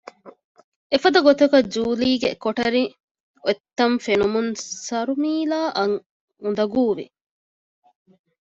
އެފަދަ ގޮތަކަށް ޖޫލީގެ ކޮޓަރި އޮތްތަން ފެނުމުން ސަރުމީލާއަށް އުނދަގޫވި